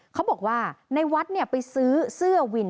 เขาบอกว่าในวัดไปซื้อเสื้อวิน